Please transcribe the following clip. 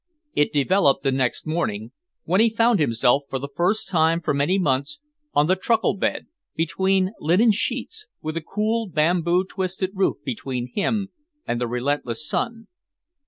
It developed the next morning, when he found himself for the first time for many months on the truckle bed, between linen sheets, with a cool, bamboo twisted roof between him and the relentless sun.